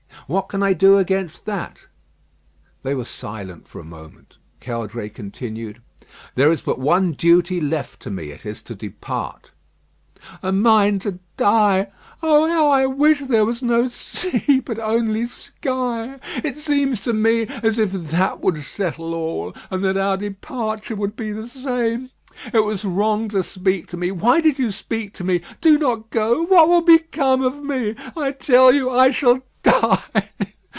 "What can I do against that?" They were silent for a moment. Caudray continued: "There is but one duty left to me. It is to depart." "And mine to die. Oh! how I wish there was no sea, but only sky. It seems to me as if that would settle all, and that our departure would be the same. It was wrong to speak to me; why did you speak to me? Do not go. What will become of me? I tell you I shall die.